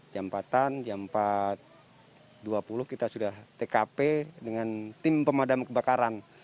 jam empat dua puluh kita sudah tkp dengan tim pemadam kebakaran